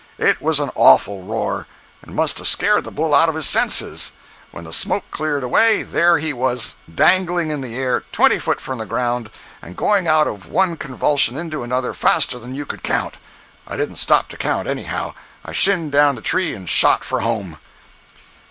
It was an awful roar, and must have scared the bull out of his senses. When the smoke cleared away, there he was, dangling in the air, twenty foot from the ground, and going out of one convulsion into another faster than you could count! I didn't stop to count, anyhow—I shinned down the tree and shot for home."